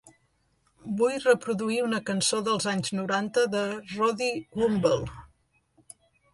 Vull reproduir una cançó dels anys noranta de Roddy Woomble